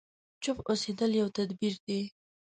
چوپ اوسېدل يو تدبير دی.